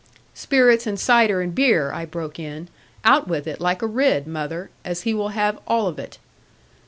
'Spirits, and cider, and beer,' I broke in; 'out with it, like a Ridd, mother; as he will have all of it.'